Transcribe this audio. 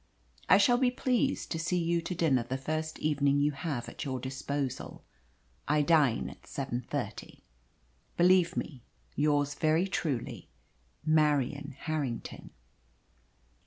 I shall be pleased to see you to dinner the first evening you have at your disposal. I dine at seven thirty. Believe me, yours very truly, MARIAN HARRINGTON.